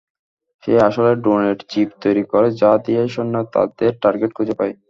সে আসলে ড্রোনের চিপ তৈরি করে যা দিয়ে সৈন্যরা তাদের টার্গেট খুঁজে পায়।